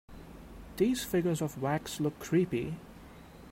These figures of wax look creepy.